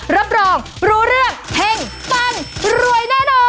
รู้เรื่องเพลงปันรวยแน่นอน